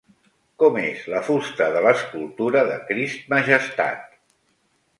Com és la fusta de l'escultura de Crist Majestat?